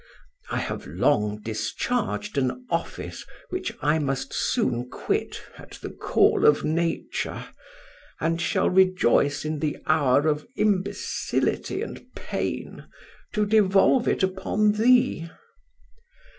I have long discharged an office which I must soon quit at the call of Nature, and shall rejoice in the hour of imbecility and pain to devolve it upon thee.